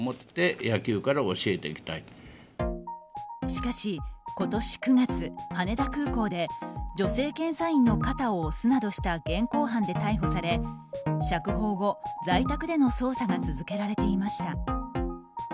しかし、今年９月羽田空港で女性検査員の肩を押すなどした現行犯で逮捕され釈放後、在宅での捜査が続けられていました。